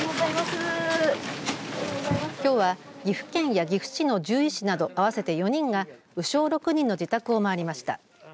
きょうは岐阜県や岐阜市の獣医師など合わせて４人が鵜匠６人の自宅を回りました。